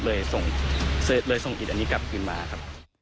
เลยส่งอิดอันนี้กลับคืนมาครับ